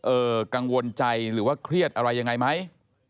กังวลใจหรือว่าเครียดอะไรยังไงไหม